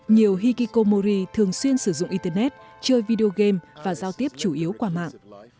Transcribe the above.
nhiều hikikomori thường xuyên sử dụng internet chơi video game và giao tiếp chủ yếu qua mạng